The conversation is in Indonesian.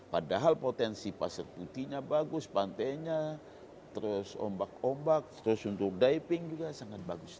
padahal potensi pasir putihnya bagus pantainya terus ombak ombak terus untuk diving juga sangat bagus